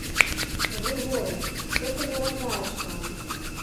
Грыгоры, што ты выразаеш там?